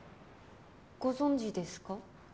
ご存じですか？